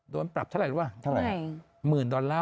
โดนปรับเท่าไหร่หรือเปล่า